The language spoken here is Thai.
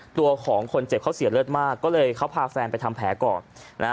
ตัวของคนเจ็บเขาเสียเลือดมากก็เลยเขาพาแฟนไปทำแผลก่อนนะฮะ